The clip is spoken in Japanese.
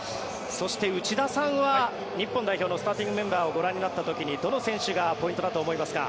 そして内田さんは日本代表のスターティングメンバーをご覧になった時にどの選手がポイントだと思いますか？